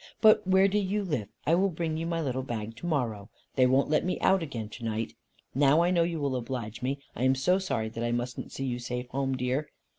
But where do you live? I will bring you my little bag to morrow. They won't let me out again to night. Now I know you will oblige me. I am so sorry that I mustn't see you safe home, dear."